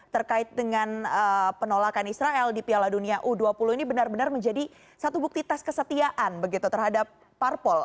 terkait dengan penolakan israel di piala dunia u dua puluh ini benar benar menjadi satu bukti tes kesetiaan begitu terhadap parpol